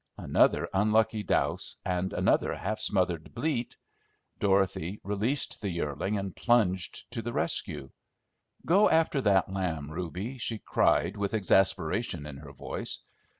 Another unlucky douse and another half smothered bleat, Dorothy released the yearling and plunged to the rescue. "Go after that lamb, Reuby!" she cried with exasperation in her voice.